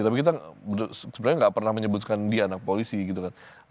tapi kita sebenarnya nggak pernah menyebutkan dia anak polisi gitu kan